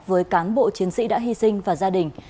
với cán bộ chiến sĩ đã hy sinh và gia đình